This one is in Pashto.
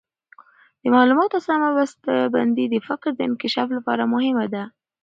د معلوماتو سمه بسته بندي د فکر د انکشاف لپاره مهمه ده.